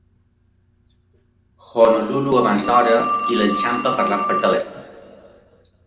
Honolulu abans d'hora i l'enxampa parlant per telèfon.